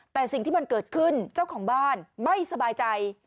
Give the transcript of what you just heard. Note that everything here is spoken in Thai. แต่สิ่งที่มันเกิดขึ้นเจ้าของบ้านไม่สบายใจ